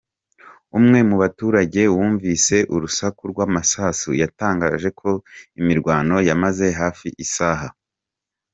Umwe mu baturage wumvise urusaku rw’amasasu yatangaje ko imirwano yamaze hafi isaha.